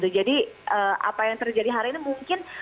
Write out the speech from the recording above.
jadi apa yang terjadi hari ini mungkin